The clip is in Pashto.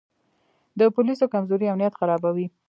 د پولیسو کمزوري امنیت خرابوي.